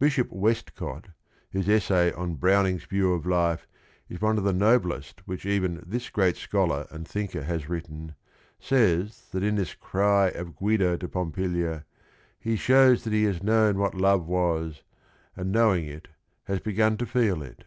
Bishop Westcott, whose essay on "Browning's View of Life" is one of the noblest which even this great scholar and thinker has written, says that in this cry of Guido to Pompilia, he shows that he has known what love was and knowing it has begun to feel it.